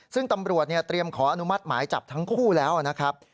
ซึ่งตำรวจเตรียมขออนุมัติหมายจับทั้งคู่แล้วนะครับ